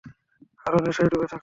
আরো নেশায় ডুবে থাকো।